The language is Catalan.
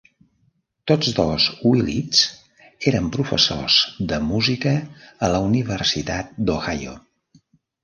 Tots dos Willits eren professors de música a la Universitat d'Ohio.